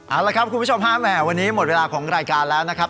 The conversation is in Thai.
เอาละครับคุณผู้ชมฮะแหมวันนี้หมดเวลาของรายการแล้วนะครับ